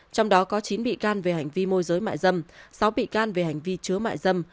trong đó có chín bị can về hành vi môi giới mại dâm sáu bị can về hành vi chứa mại dâm